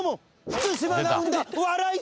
福島が生んだ笑い